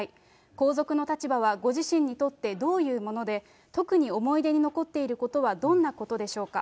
皇族の立場は、ご自身にとってどういうもので、特に思い出に残っていることはどんなことでしょうか。